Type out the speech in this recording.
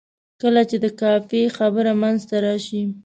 کله چې د قافیې خبره منځته راځي.